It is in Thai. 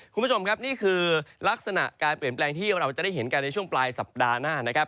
คุณผู้ชมครับนี่คือลักษณะการเปลี่ยนแปลงที่เราจะได้เห็นกันในช่วงปลายสัปดาห์หน้านะครับ